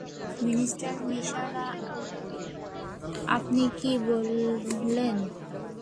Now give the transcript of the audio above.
Mister Mishra, আপনি কী বলেন?